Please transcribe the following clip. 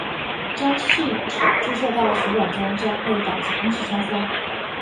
将气体注射到血管中将会导致空气栓塞。